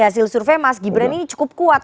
hasil survei mas gibran ini cukup kuat